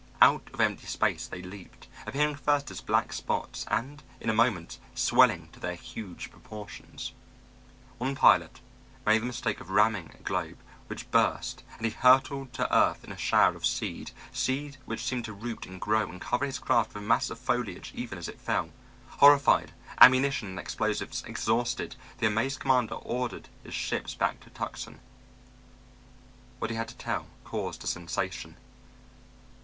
Out of empty space they leaped, appearing first as black spots, and in a moment swelling to their huge proportions. One pilot made the mistake of ramming a globe, which burst, and he hurtled to earth in a shower of seed, seed which seemed to root and grow and cover his craft with a mass of foliage even as it fell. Horrified, ammunition and explosives exhausted, the amazed commander ordered his ships back to Tucson. What he had to tell caused a sensation.